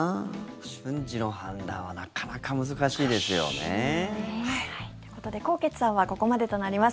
瞬時の判断はなかなか難しいですよね。ということで纐纈さんはここまでとなります。